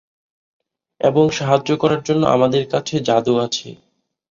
এবং সাহায্য করার জন্য আমাদের কাছে জাদু আছে।